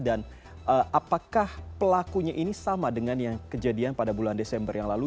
dan apakah pelakunya ini sama dengan yang kejadian pada bulan desember yang lalu